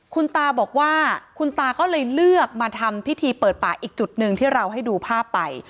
คุณตาบอกว่าคุณตาก็เลยเลือกมาทำพิธีเปิดป่าอีกจุดหนึ่งที่เราให้ดูภาพไป